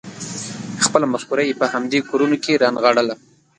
خپله مفکوره یې په همدې کورونو کې رانغاړله.